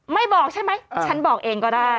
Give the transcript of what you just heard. บอกใช่ไหมฉันบอกเองก็ได้